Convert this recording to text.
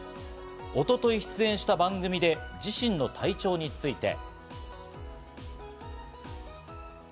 一昨日、出演した番組で自身の体調について。